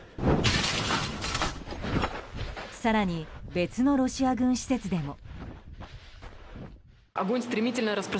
更に別のロシア軍施設でも。